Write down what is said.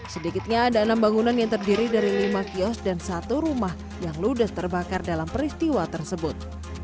sedikitnya ada enam bangunan yang terdiri dari lima kios dan satu rumah yang ludes terbakar dalam peristiwa tersebut